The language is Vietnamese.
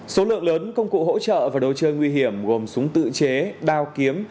số lượng lớn công cụ hỗ trợ và đồ chơi nguy hiểm gồm súng tự chế đao kiếm